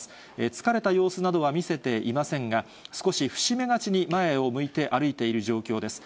疲れた様子などは見せていませんが、少し伏し目がちに前を向いて歩いている状況です。